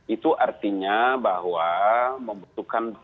itu artinya bahwa membutuhkan berapa banyak perang